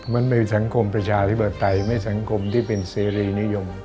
มันเป็นสังคมประชาธิปไตยไม่สังคมที่เป็นเสรีนิยม